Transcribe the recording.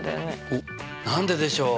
おっ何ででしょう？